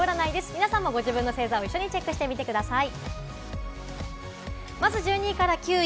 皆さんもご自分の星座を一緒にチェックしてみてください。